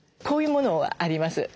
こういうものはあります。